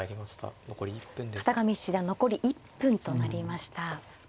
片上七段残り１分となりました。